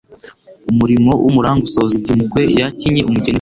Umurimo w’'umuranga usoza igihe umukwe yakinye umugeni we.